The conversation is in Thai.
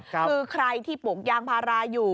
คือใครที่ปลูกยางพาราอยู่